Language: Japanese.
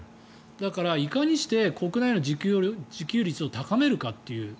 だから、いかにして国内の自給率を高めるか。